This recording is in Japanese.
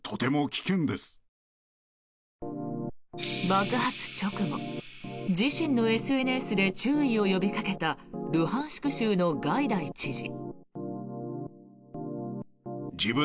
爆発直後、自身のＳＮＳで注意を呼びかけたルハンシク州のガイダイ知事。